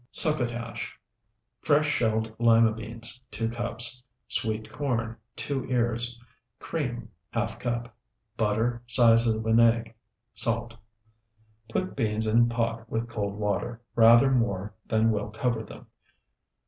SUCCOTASH Fresh shelled lima beans, 2 cups. Sweet corn, 2 ears. Cream, ½ cup. Butter, size of an egg. Salt. Put beans in pot with cold water, rather more than will cover them.